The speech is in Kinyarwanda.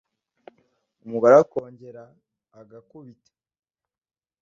umugore akongera agakubita